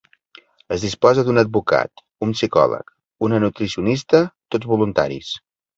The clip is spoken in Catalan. Es disposa d'un advocat, un psicòleg, una nutricionista, tots voluntaris.